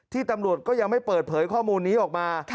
ตำรวจก็ยังไม่เปิดเผยข้อมูลนี้ออกมา